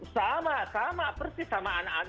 sama sama persis sama anak anak